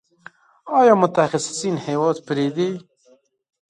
آیا متخصصین هیواد پریږدي؟